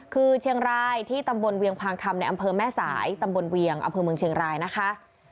คือเชียงรายที่ตำบลเวียงพางคำในอำเภอแม่สายตำบลเวียงอำเภอเมืองเชียงรายนะคะ